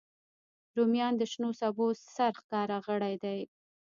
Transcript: رومیان د شنو سبو سرښکاره غړی دی